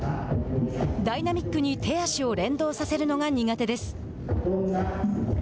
ダイナミックに手足を連動させるのが苦手です。